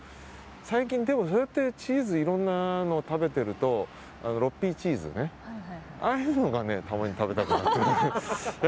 最近、そうやっていろんなチーズ食べてると６Ｐチーズ、ああいうのがたまに食べたくなる。